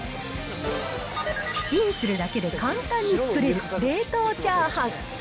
チンするだけで簡単に作れる冷凍チャーハン。